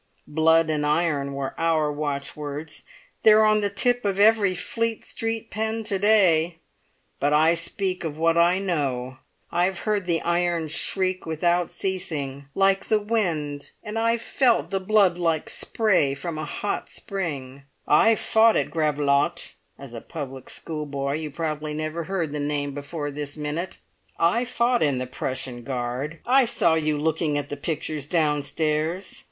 Blood and Iron were our watchwords; they're on the tip of every Fleet Street pen to day, but I speak of what I know. I've heard the Iron shriek without ceasing, like the wind, and I've felt the Blood like spray from a hot spring! I fought at Gravelotte; as a public schoolboy you probably never heard the name before this minute. I fought in the Prussian Guard. I saw you looking at the pictures downstairs.